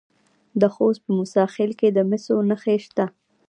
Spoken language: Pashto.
د خوست په موسی خیل کې د مسو نښې شته.